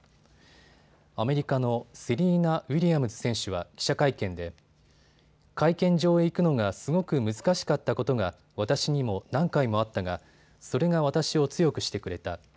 アメリカのセリーナ・ウィリアムズ選手は記者会見で会見場へ行くのがすごく難しかったことが私にも何回もあったがそれが私を強くしてくれた。